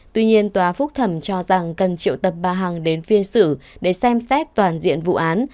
tuy nhiên tòa phúc thẩm cho rằng cần triệu tập bà hằng đến phiên xử để xem xét toàn diện vụ án